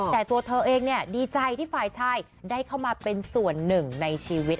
แต่ตัวเธอเองดีใจที่ฝ่ายชายได้เข้ามาเป็นส่วนหนึ่งในชีวิต